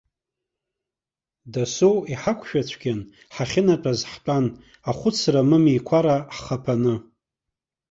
Дасу иҳақәшәацәгьан, ҳахьынатәаз ҳтәан, ахәыцра мымиқәара ҳхаԥаны.